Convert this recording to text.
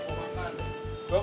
kurang makan ya dok